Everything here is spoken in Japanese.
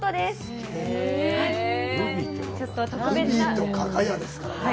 ルビーと加賀屋ですからね。